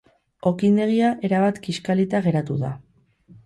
Okindegia erabat kiskalita geratu da.